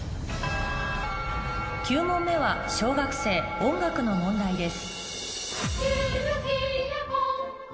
９問目は小学生音楽の問題です